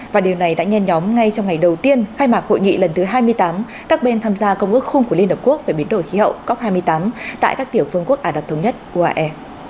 và điều này đã nhen nhóm ngay trong ngày đầu tiên khai mạc hội nghị lần thứ hai mươi tám các bên tham gia công ước khung của liên hợp quốc về biến đổi khí hậu cop hai mươi tám tại các tiểu phương quốc ả đập thống nhất uae